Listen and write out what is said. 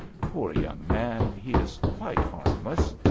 Poor young man ! he is quite harmless.